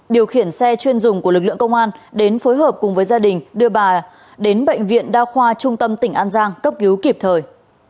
điều khiển xe chuyên dùng của lực lượng công an đến phối hợp cùng với gia đình đưa bà đến bệnh viện đa khoa trung tâm tỉnh an giang cấp cứu kịp thời